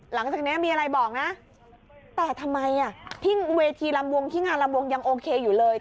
หลังจากนี้มีอะไรบอกนะแต่ทำไมอ่ะที่เวทีลำวงที่งานลำวงยังโอเคอยู่เลย